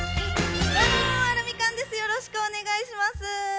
よろしくお願いします。